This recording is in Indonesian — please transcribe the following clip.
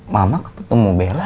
mama ketemu bella